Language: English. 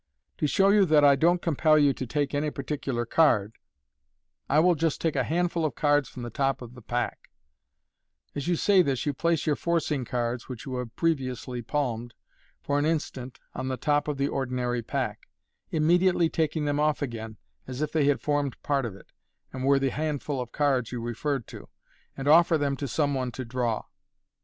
To show you that I don't compel you to take any particular card, I will just take a handful of cards from the top of the pack " (as you say this you place your forcing cards, which you have previousl) palmed, for an instant on the top of the ordinary pack, immediately taking them off again, as if they had formed part of it, and were the handful of cards you referred to, and offer them to some one to draw).